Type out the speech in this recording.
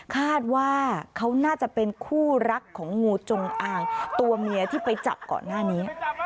คาดว่าเขาน่าจะเป็นคู่รักของงูจงอางตัวเมียที่ไปจับก่อนหน้านี้